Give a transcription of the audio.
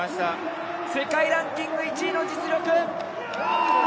世界ランキング１位の実力！